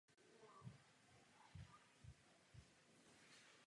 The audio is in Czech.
Po válce se navrátil z emigrace a stal se děkanem fakulty.